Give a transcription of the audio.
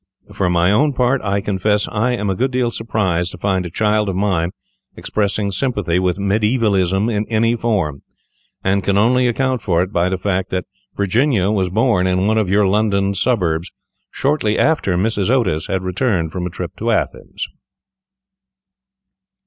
For my own part, I confess I am a good deal surprised to find a child of mine expressing sympathy with mediævalism in any form, and can only account for it by the fact that Virginia was born in one of your London suburbs shortly after Mrs. Otis had returned from a trip to Athens."